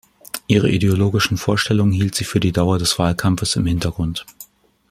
Ihre ideologischen Vorstellungen hielt sie für die Dauer des Wahlkampfes im Hintergrund.